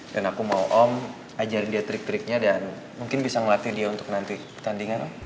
dan aku mau om ajarin dia trik triknya dan mungkin bisa ngelatih dia untuk nanti pertandingan